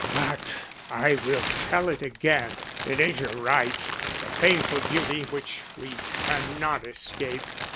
"But I will tell it again; it is your right, the painful duty which we cannot escape.